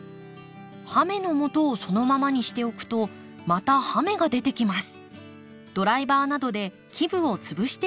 葉芽のもとをそのままにしておくとまた葉芽が出てきます。